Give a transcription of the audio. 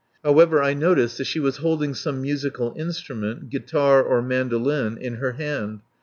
However, I noticed that she was holding some musical instrument guitar or mandoline in her hand.